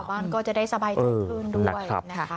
สำหรับบ้านก็จะได้สบายที่ขึ้นด้วย